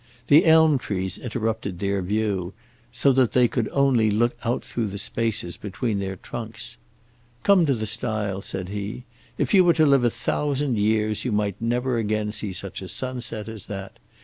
The elm trees interrupted their view, so that they could only look out through the spaces between their trunks. "Come to the stile," said he. "If you were to live a thousand years you might never again see such a sunset as that.